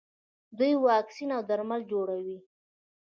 دوی واکسین او درمل جوړوي.